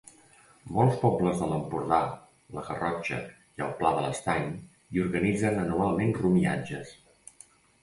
Molts pobles de l'Empordà, la Garrotxa i el Pla de l'Estany hi organitzen anualment romiatges.